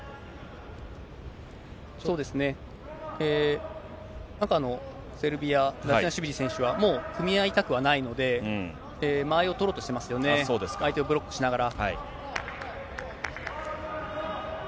そうですね、赤のセルビア、ダトゥナシュビリ選手はもう組み合いたくはないので、間合いを取ろうとしてますよね、相手をブロックしながら。